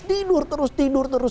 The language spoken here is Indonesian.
tidur terus tidur terus